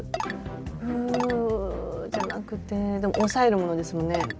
うじゃなくてでも押さえるものですもんね？